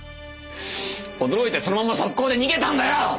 驚いてそのまま即行で逃げたんだよ！